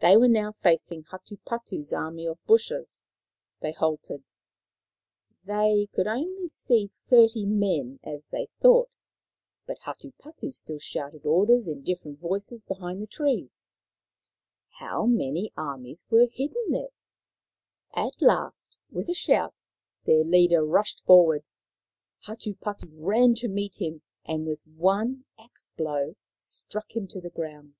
They were now facing Hatupatu's army of bushes. They halted. They could see only thirty men, as they thought ; but Hatupatu still shouted orders in different voices behind the trees. How many armies were hidden there ? i2o Maoriland Fairy Tales At last, with a shout, their leader rushed for ward. Hatupatu ran to meet him, and with one axe blow struck him to the ground.